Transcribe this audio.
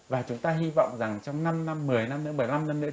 và chúng ta hy vọng rằng trong năm năm một mươi năm nữa bảy mươi năm năm nữa